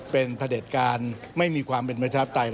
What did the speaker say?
เป็นพระเด็จการไม่มีความเป็นประชาปไตย